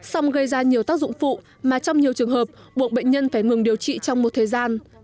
xong gây ra nhiều tác dụng phụ mà trong nhiều trường hợp buộc bệnh nhân phải ngừng điều trị trong một thời gian